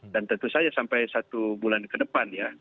dan tentu saja sampai satu bulan ke depan ya